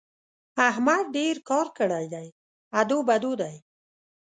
احمد ډېر کار کړی دی؛ ادو بدو دی.